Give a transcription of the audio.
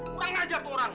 kurang ngajar tuh orang